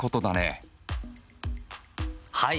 はい！